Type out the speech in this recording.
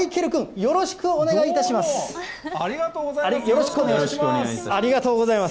よろしくお願いします。